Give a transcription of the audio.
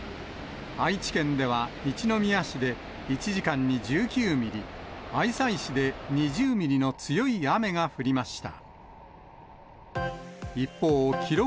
愛知県では一宮市で１時間に１９ミリ、愛西市で２０ミリの強い雨が降りました。